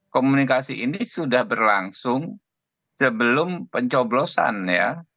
komunikasi ini sudah berlangsung sebelum pencoblosan ya